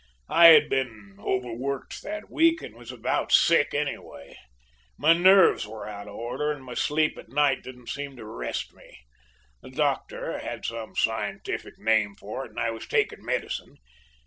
"I had been overworked that week, and was about sick, anyway. My nerves were out of order, and my sleep at night didn't seem to rest me. The doctor had some scientific name for it, and I was taking medicine.